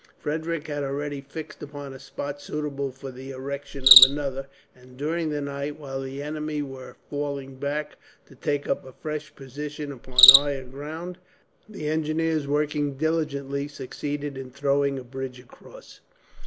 Frederick had already fixed upon a spot suitable for the erection of another, and during the night, while the enemy were falling back to take up a fresh position upon higher ground, the engineers, working diligently, succeeded in throwing a bridge across.